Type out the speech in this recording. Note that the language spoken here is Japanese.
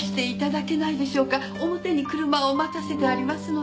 表に車を待たせてありますので。